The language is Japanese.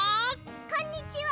こんにちは！